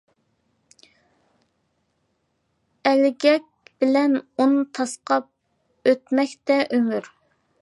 ئەلگەك بىلەن ئۇن تاسقاپ، ئۆتمەكتە ئۆمۈر.